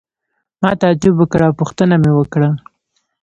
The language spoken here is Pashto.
ما تعجب وکړ او پوښتنه مې وکړه.